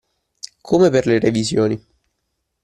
Come per le revisioni.